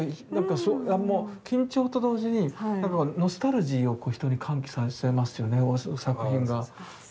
緊張と同時にノスタルジーを人に喚起させますよね作品が。